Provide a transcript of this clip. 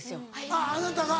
あぁあなたが。